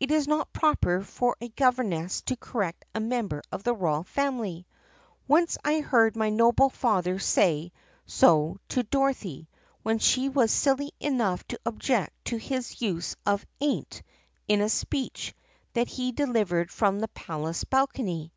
It is not proper for a gover ness to correct a member of the royal family. "I once heard my noble father say so to Dorothy when she was silly enough to object to his use of 'ain't' in a speech that he de livered from the palace balcony.